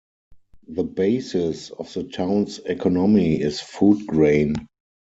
The basis of the town's economy is food grain.